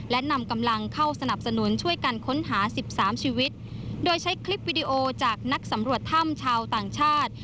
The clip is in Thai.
และนำกำลังเข้าสนับสนุนช่วยกันค้นหาสิบสามชีวิตโดยใช้คลิปวิดีโอจากนักสำรวจถ้ำชาวต่างชาติ